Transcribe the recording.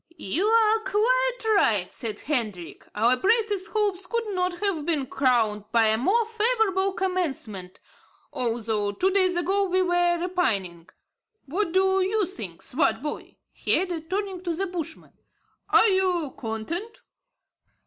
"You are quite right," said Hendrik; "our brightest hopes could not have been crowned by a more favourable commencement, although two days ago we were repining. What do you say, Swartboy?" he added, turning to the Bushman; "are you content?"